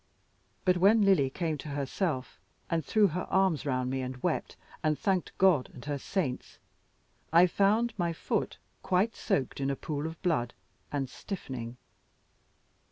But when Lily came to herself, and threw her arms round me and wept, and thanked God and her saints, I found my foot quite soaked in a pool of blood, and stiffening.